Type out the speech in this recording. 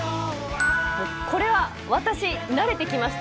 これは私慣れてきました。